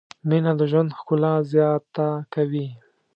مینه د ژوند ښکلا زیاته کوي.